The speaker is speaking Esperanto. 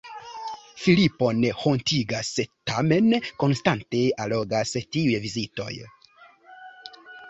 Filipon hontigas, tamen konstante allogas tiuj vizitoj.